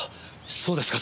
そうですか。